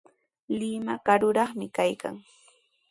Limaqa karutrawmi kaykan.